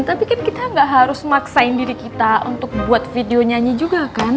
tapi kan kita gak harus maksain diri kita untuk buat video nyanyi juga kan